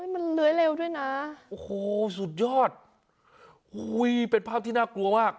มันเลื้อยเร็วด้วยนะโอ้โหสุดยอดอุ้ยเป็นภาพที่น่ากลัวมาก